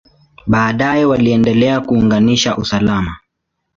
Baadaye waliendelea kuunganisha alama.